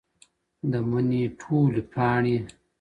د مني ټولې پاڼې